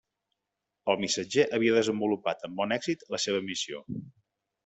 El missatger havia desenvolupat amb bon èxit la seva missió.